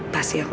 pasti aku akan